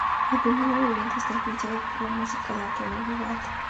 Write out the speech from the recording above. El primer movimiento está influenciado por la música de Antonio Vivaldi.